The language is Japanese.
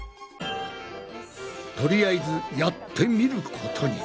とりあえずやってみることに。